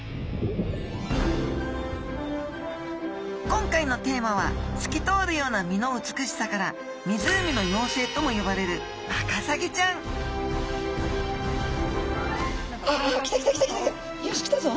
今回のテーマは透き通るような身の美しさから湖の妖精とも呼ばれるワカサギちゃんよしきたぞ。